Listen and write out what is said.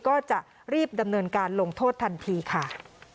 ก็จะรีบดำเนินการลงโทษทันทีค่ะ